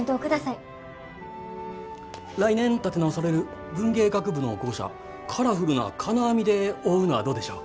来年建て直される文芸学部の校舎カラフルな金網で覆うのはどうでしょう？